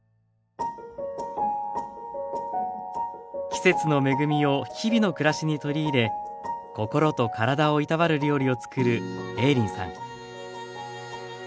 季節の恵みを日々の暮らしに取り入れ心と体をいたわる料理をつくる映林さん。